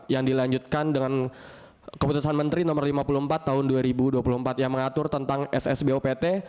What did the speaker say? yang dilanjutkan dengan keputusan menteri no lima puluh empat tahun dua ribu dua puluh empat yang mengatur tentang ssbupt